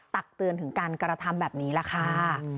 ตักเตือนถึงการกระทำแบบนี้แหละค่ะ